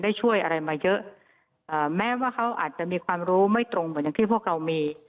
ช่วยอะไรมาเยอะแม้ว่าเขาอาจจะมีความรู้ไม่ตรงเหมือนอย่างที่พวกเรามี